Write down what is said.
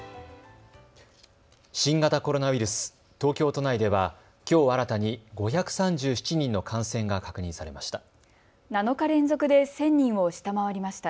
新型コロナウイルス、東京都内では、きょう新たに５３７人の感染が確認されました。